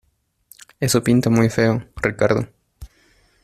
esto pinta muy feo, Ricardo.